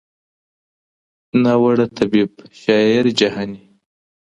ناوړه طبیب جهاني